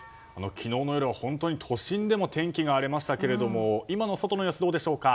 昨日の夜は都心でも天気が荒れましたけど今の外の様子どうでしょうか？